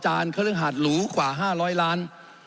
จจเขาบึงหาดหลุกว่าห้าร้อยล้าน